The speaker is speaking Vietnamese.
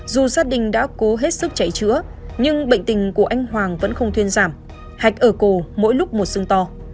dù gia đình đã cố hết sức chạy chữa nhưng bệnh tình của anh hoàng vẫn không thuyên giảm hạch ở cổ mỗi lúc một sưng to